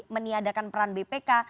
meniadakan peran bpk